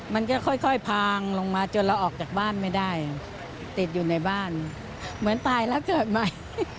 มันก็ค่อยพางลงมาจนเราออกจากบ้านไม่ได้ติดอยู่ในบ้านเหมือนตายแล้วเกิดใหม่